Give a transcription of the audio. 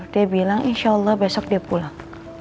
dia bilang insya allah besok dia pulang